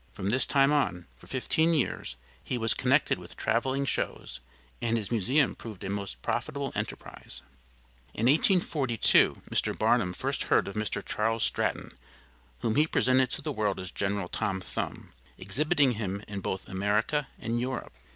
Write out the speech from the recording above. From this time on, for fifteen years, he was connected with traveling shows, and his museum proved a most profitable enterprise. In 1842 Mr. Barnum first heard of Mr. Charles Stratton, whom he presented to the world as General Tom Thumb exhibiting him in both America and Europe.